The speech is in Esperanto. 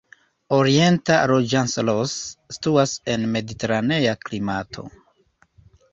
Orienta Losanĝeleso situas en mediteranea klimato.